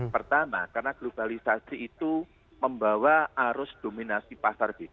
pertama karena globalisasi itu membawa arus dominasi pasar